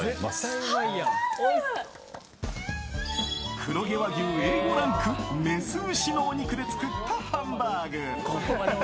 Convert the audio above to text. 黒毛和牛Ａ５ランクメス牛のお肉で作ったハンバーグ。